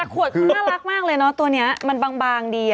ขวดคือน่ารักมากเลยเนอะตัวนี้มันบางดี